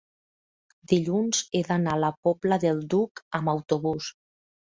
Dilluns he d'anar a la Pobla del Duc amb autobús.